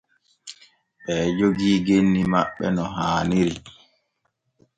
Ɓee jogii genni maɓɓe no haaniri.